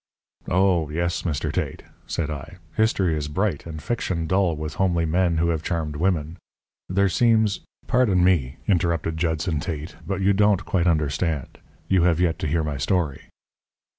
"Oh, yes, Mr. Tate," said I. "History is bright and fiction dull with homely men who have charmed women. There seems " "Pardon me," interrupted Judson Tate, "but you don't quite understand. You have yet to hear my story.